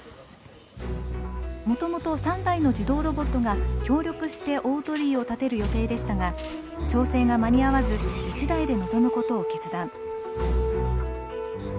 もともと３台の自動ロボットが協力して大鳥居を建てる予定でしたが調整が間に合わず１台で臨むことを決断。